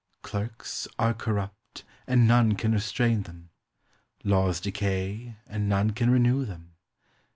Clerks are corrupt, and none can restrain them. Laws decay, and none can renew them.